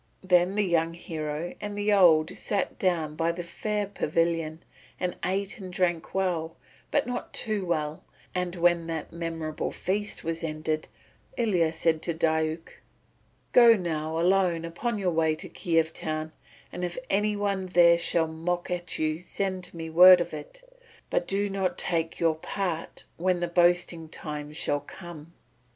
Then the young hero and the old sat down in the fair pavilion and ate and drank well but not too well; and when that memorable feast was ended, Ilya said to Diuk: "Go now alone upon your way to Kiev town, and if any one there shall mock at you send me word of it. But do not take your part when the boasting time shall come."